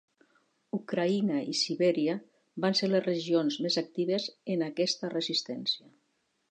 Ucraïna i Sibèria van ser les regions més actives en aquesta resistència.